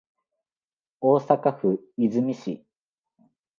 大阪府和泉市